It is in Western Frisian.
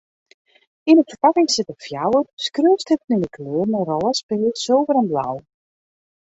Yn in ferpakking sitte fjouwer skriuwstiften yn 'e kleuren rôs, pears, sulver en blau.